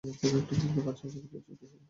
তুমি একটি ফুলকে বাঁচাবো বলে বেজে উঠ সুমধুর।